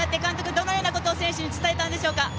どんなことを選手に伝えたんでしょうか？